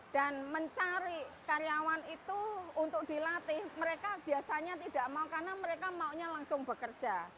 dan mencari karyawan itu untuk dilatih mereka biasanya tidak mau karena mereka maunya langsung bekerja